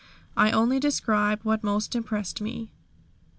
I only describe what most impressed me.